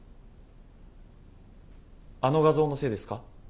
あの画像のせいですか？